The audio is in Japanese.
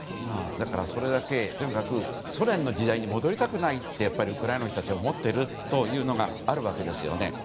だから、それだけソ連の時代に戻りたくないってウクライナの人たちは思っているというのがあるわけですよね。